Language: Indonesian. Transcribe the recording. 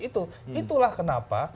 itu itulah kenapa